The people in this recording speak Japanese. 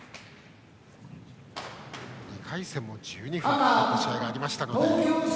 ２回戦も１２分を超える試合もありました。